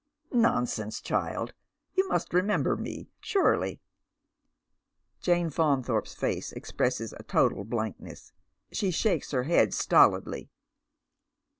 " Nonsense, child ! Yon must remember me, surely." Jane Faunthorpe's face expresses a total blankness. She shakes her head stolidly.